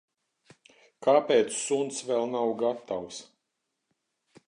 Kāpēc suns vēl nav gatavs?